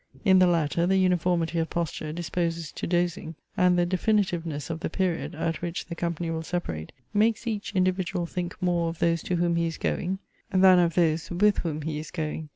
In the latter the uniformity of posture disposes to dozing, and the definitiveness of the period, at which the company will separate, makes each individual think more of those to whom he is going, than of those with whom he is going.